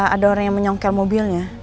ada orang yang menyongkel mobilnya